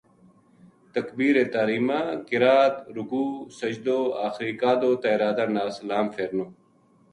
تکبیر تحریمہ، قرات، رکوع، سجدو، آخری قعدو تے ارادہ نال سلام فیرنو